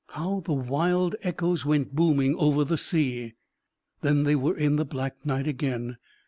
How the wild echoes went booming over the sea! Then they were in the black night again.